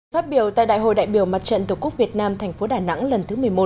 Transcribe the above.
phát biểu tại đại hội đại biểu mặt trận tổ quốc việt nam thành phố đà nẵng lần thứ một mươi một